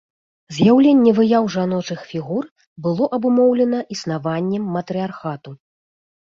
З'яўленне выяў жаночых фігур было абумоўлена існаваннем матрыярхату.